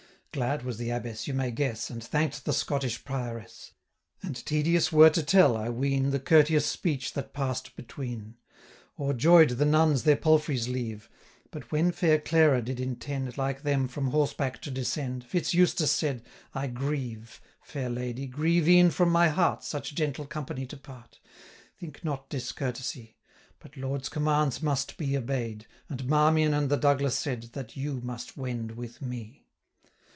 Glad was the Abbess, you may guess, And thank'd the Scottish Prioress; And tedious were to tell, I ween, 850 The courteous speech that pass'd between. O'erjoy'd the nuns their palfreys leave; But when fair Clara did intend, Like them, from horseback to descend, Fitz Eustace said, 'I grieve, 855 Fair lady, grieve e'en from my heart, Such gentle company to part; Think not discourtesy, But lords' commands must be obey'd; And Marmion and the Douglas said, 860 That you must wend with me.